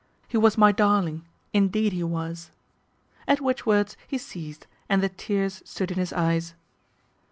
He was my darling, indeed he was." At which words he ceased, and the tears stood in his eyes.